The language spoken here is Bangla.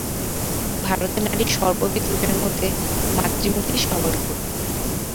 ভারতে নারীর সর্ববিধ রূপের মধ্যে মাতৃমূর্তি সবার উপরে।